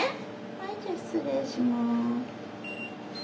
はいじゃあ失礼します。